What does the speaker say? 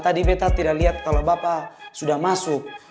tadi peta tidak lihat kalau bapak sudah masuk